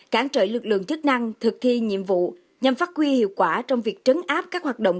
cản trợ lực lượng chức năng thực thi nhiệm vụ nhằm phát quy hiệu quả trong việc trấn áp các hoạt động